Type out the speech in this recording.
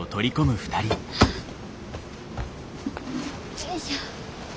よいしょ。